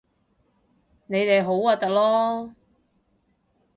你哋好核突囉